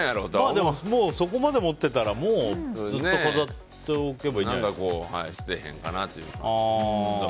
でも、そこまで持ってたらもうずっと飾っておけば何かこう、捨てへんかなみたいな。